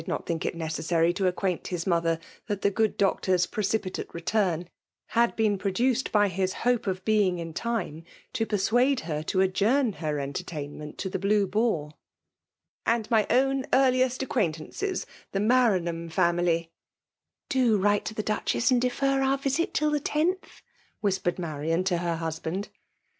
HA not ibiBk it necessary to aoqaaint Us ther that the good Doctor*s precipitate retam had been produced by his hope of being ia time to persuade h^r to adjourn her entertain ssent to the Blue Boar ;)" and my own eadiest acquaintances — the Maranham family "*^ Do write to the Duchess and defer our vittit tiU the lOth/' whispered Marian to her husband.